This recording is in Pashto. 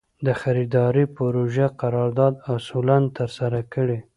د خریدارۍ پروژې قرارداد اصولاً ترسره کړي.